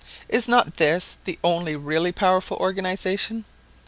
Is not this the only really powerful organisation?